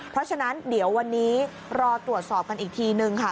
เพราะฉะนั้นเดี๋ยววันนี้รอตรวจสอบกันอีกทีนึงค่ะ